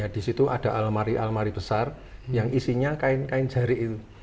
di situ ada almari almari besar yang isinya kain kain jari itu